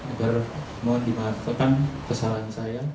agar mohon dimaafkan kesalahan saya